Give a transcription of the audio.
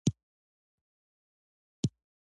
خاصو او عامو د راتلو لارې بېلې وې.